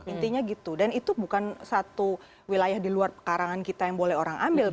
intinya gitu dan itu bukan satu wilayah di luar karangan kita yang boleh orang ambil